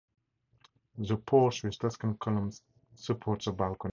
The porch with Tuscan columns supports a balcony.